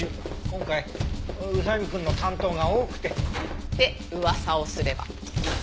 今回宇佐見くんの担当が多くて。って噂をすれば。